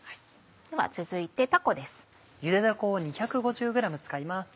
では続いてたこです。